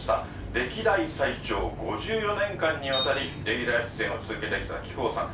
歴代最長５４年間にわたりレギュラー出演を続けてきた木久扇さん。